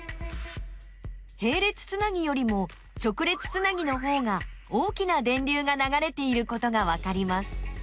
へい列つなぎよりも直列つなぎのほうが大きな電流がながれていることがわかります。